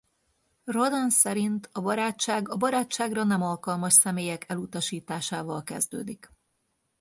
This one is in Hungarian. Rodin szerint a barátság a barátságra nem alkalmas személyek elutasításával kezdődik.